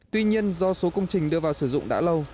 tuy nhiên do số công trình đưa vào sử dụng đã lâu